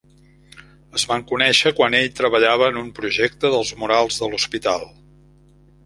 Es van conèixer quan ell treballava en un el projecte dels murals de l'hospital.